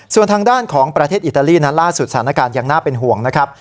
ส่วนทางด้านของประเทศอิตาลีนั้นล่าสุดสถานการณ์ยังน่าเป็นห่วงนะครับ